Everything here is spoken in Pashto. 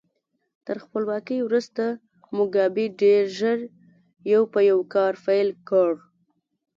تر خپلواکۍ وروسته موګابي ډېر ژر یو په یو کار پیل کړ.